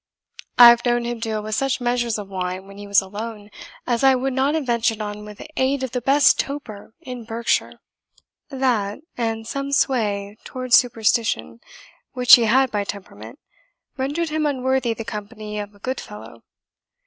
I have known him deal with such measures of wine when he was alone, as I would not have ventured on with aid of the best toper in Berkshire; that, and some sway towards superstition, which he had by temperament, rendered him unworthy the company of a good fellow.